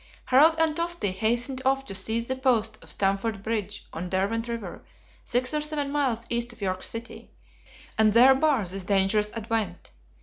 Harald and Tosti hastened off to seize the post of Stamford Bridge on Derwent River, six or seven miles east of York City, and there bar this dangerous advent.